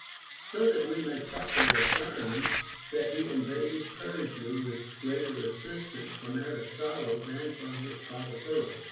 So that we may properly affirm that he invaded Persia with greater assistance from Aristotle than from his father Philip.